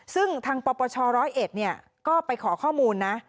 ซึ่งทางปปช๑๐๑ก็ไปขอข้อมูลนะ